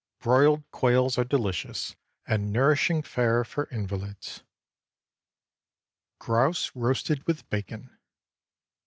Broiled quails are delicious and nourishing fare for invalids. GROUSE ROASTED WITH BACON.